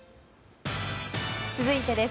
続いてです。